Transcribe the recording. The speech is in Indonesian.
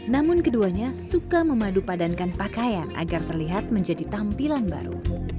namun keduanya suka memadupadankan pakaian agar terlihat menjadi tampilan baru